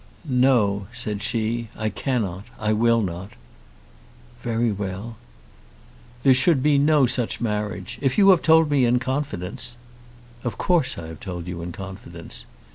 "No," said she, "I cannot. I will not." "Very well." "There should be no such marriage. If you have told me in confidence " "Of course I have told you in confidence."